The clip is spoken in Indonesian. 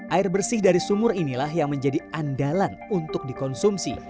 air bersih dari sumur inilah yang menjadi andalan untuk dikonsumsi